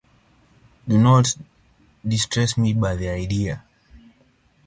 Do not distress me by the idea.